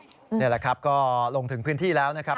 นี่แหละครับก็ลงถึงพื้นที่แล้วนะครับ